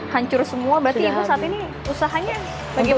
hancur semua berarti ibu saat ini usahanya bagaimana